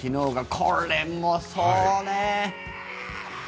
これもそうね。